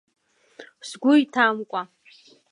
Сгәы иҭамкәа!